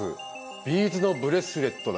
ビーズのブレスレットだ。